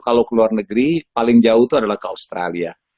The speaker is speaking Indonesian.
kalau keluar negeri paling jauh itu adalah ke australia